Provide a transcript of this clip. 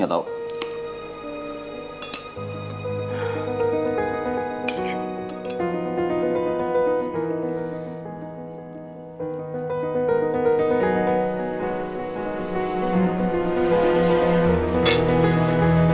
ntar kita ke rumah sakit